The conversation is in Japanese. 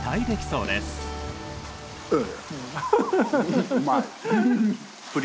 うん。